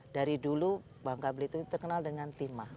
dari dulu bangka belitung terkenal dengan timah